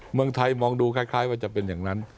เมืองไทยมองดูคล้ายว่าจะเป็นอย่างนั้น